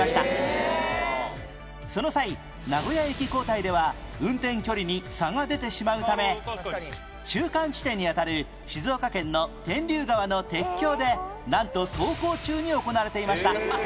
その際名古屋駅交代では運転距離に差が出てしまうため中間地点にあたる静岡県の天竜川の鉄橋でなんと走行中に行われていました